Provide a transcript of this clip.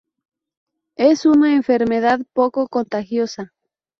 Es una enfermedad poco contagiosa.